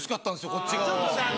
こっち側は。